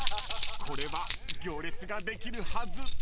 ［これは行列ができるはず］